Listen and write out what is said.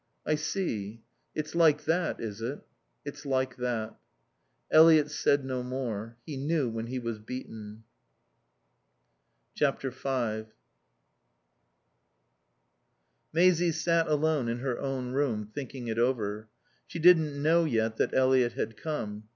"I see. It's like that, is it?" "It's like that." Eliot said no more. He knew when he was beaten. v Maisie sat alone in her own room, thinking it over. She didn't know yet that Eliot had come.